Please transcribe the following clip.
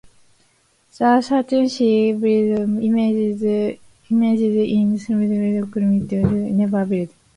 The Saturn C vehicles imagined in the Silverstein Committee report were never built.